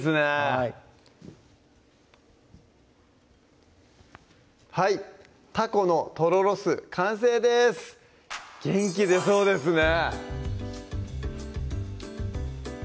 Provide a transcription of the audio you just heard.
はいはい「たこのとろろ酢」完成です元気出そうですね